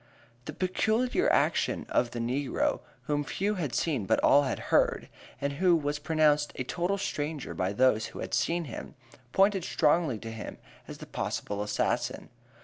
The peculiar action of the negro, whom few had seen but all had heard, and who was pronounced a total stranger by those who had seen him, pointed strongly to him as the possible assassin.